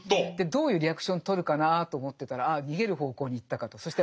どういうリアクションとるかなぁと思ってたらあ逃げる方向に行ったかと。